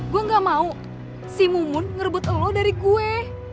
gue gak mau si mumun ngerebut lo dari gue